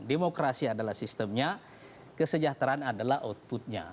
demokrasi adalah sistemnya kesejahteraan adalah outputnya